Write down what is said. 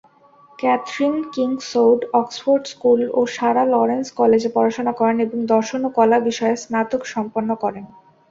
Catherine Kingswood Oxford school ও Sarah Lawrence কলেজে পড়াশোনা করেন এবং দর্শন ও কলা বিষয়ে স্নাতক সম্পন্ন করেন।